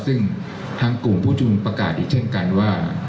ซึ่งทางกลุ่มผู้ชุมนุมประกาศอีกเช่นกันว่า